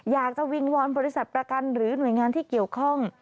อยากจะวิงวอนบริษัทประกันหรือหน่วยงานที่เกี่ยวข้อง